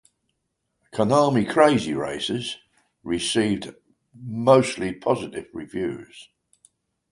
"Konami Krazy Racers" received mostly positive reviews.